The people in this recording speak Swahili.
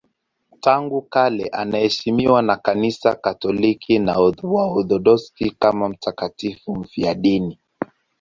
Tangu kale anaheshimiwa na Kanisa Katoliki na Waorthodoksi kama mtakatifu mfiadini.